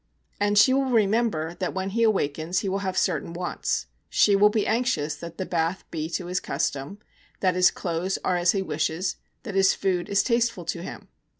'And she will remember that when he awakens he will have certain wants. She will be anxious that the bath be to his custom, that his clothes are as he wishes, that his food is tasteful to him.